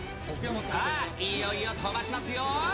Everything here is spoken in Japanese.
さあ、いよいよ飛ばしますよ。